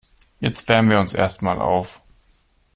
Jetzt wärmen wir uns erst mal auf.